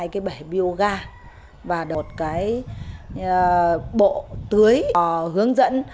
hai cái bể biêu ga và đột cái bộ tưới hướng dẫn